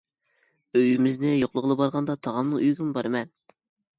ئويىمىزنى يوقلىغىلى بارغاندا تاغامنىڭ ئۆيىگىمۇ بارىمەن.